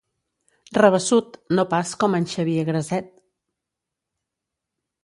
Rabassut, no pas com en Xavier Graset.